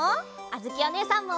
あづきおねえさんも！